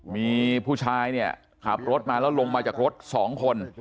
มีผู้ชายเนี่ยขับรถมาแล้วลงมาจากรถ๒คน